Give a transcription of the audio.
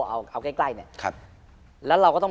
เอาใกล้เนี่ยแล้วเราก็ต้อง